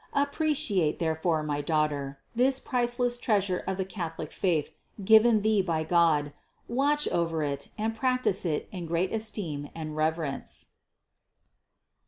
Appreciate, there fore, my daughter, this priceless treasure of the Catholic faith given thee by God, watch over it and practice it in great esteem and reverence.